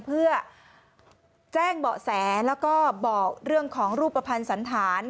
เพื่อแจ้งเบาะแสแล้วก็บอกเรื่องของรูปภัณฑ์สันธาร